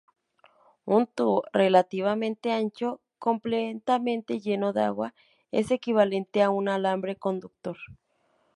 Un tubo relativamente ancho completamente lleno de agua es equivalente a un alambre conductor.